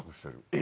え！